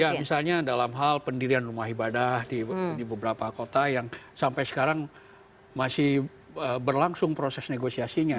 ya misalnya dalam hal pendirian rumah ibadah di beberapa kota yang sampai sekarang masih berlangsung proses negosiasinya